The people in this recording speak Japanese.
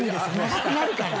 長くなるから。